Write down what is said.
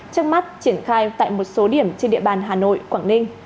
trước mắt triển khai tại một số điểm trên địa bàn hà nội quảng ninh